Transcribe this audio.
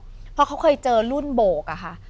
เพราะเขาเคยเจอรุ่นโบกอะค่ะ